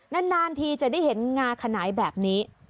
นานทีจะได้เห็นงาขนายแบบนี้